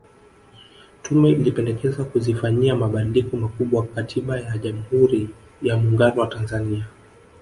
Tume ilipendekeza kuzifanyia mabadiliko makubwa Katiba ya Jamhuri ya Muungano wa Tanzania